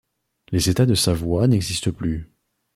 Les États de Savoie n'existent plus.